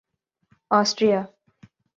Austria